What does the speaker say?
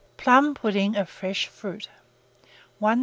PLUM PUDDING OF FRESH FRUIT. 1330.